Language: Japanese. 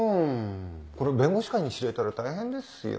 これ弁護士会に知れたら大変ですよ。